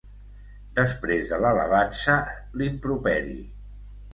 Després de l'alabança, l'improperi